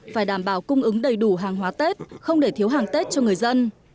phải đảm bảo cung ứng đầy đủ hàng hóa tết không để thiếu hàng tết cho người dân